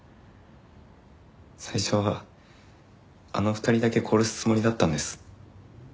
最初はあの２人だけ殺すつもりだったんです。